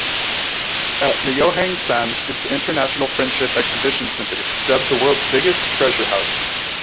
At Myohyang-san is the International Friendship Exhibition centre, dubbed the world's biggest treasure-house.